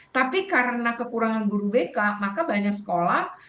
tapi karena kekurangan guru bk maka banyak sekolah